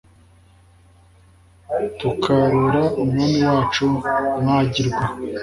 tukarora umwami wacu mwagirwa